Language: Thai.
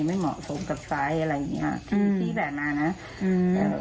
ไม่เหมาะสมกับสไฟล์อะไรอย่างนี้ที่แบบนั้นนะ